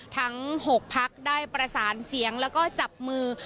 ทั้ง๖พักได้ประสานเสียงแล้วก็จับมือ